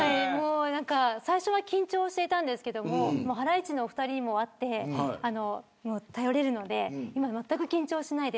最初は緊張してたんですけどハライチのお二人にも会って頼れるので今はまったく緊張しないで。